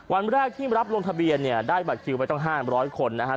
วันแรกที่รับลงทะเบียนเนี่ยได้บัตรคิวไปตั้ง๕๐๐คนนะครับ